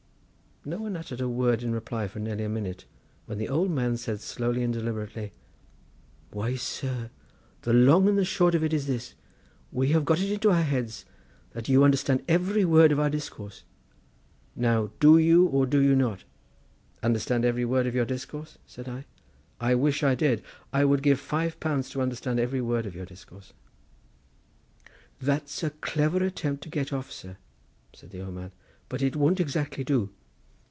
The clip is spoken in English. No one uttered a word in reply for nearly a minute, when the old man said slowly and deliberately: "Why, sir, the long and short of it is this: we have got it into our heads that you understand every word of our discourse; now, do you or do you not?" "Understand every word of your discourse," said I; "I wish I did; I would give five pounds to understand every word of your discourse." "That's a clever attempt to get off, sir," said the old man, "but it won't exactly do.